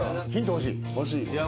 欲しい。